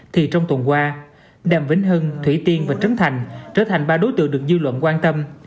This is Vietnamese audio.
thì trong tuần qua đàm vĩnh hưng thủy tiên và trấn thành trở thành ba đối tượng được dư luận quan tâm